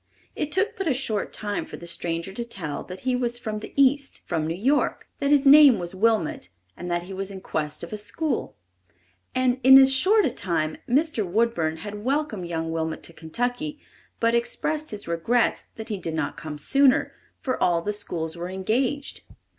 It took but a short time for the stranger to tell that he was from the East, from New York; that his name was Wilmot, and that he was in quest of a school; and in as short a time Mr. Woodburn had welcomed young Wilmot to Kentucky, but expressed his regrets that he did not come sooner, for all the schools were engaged.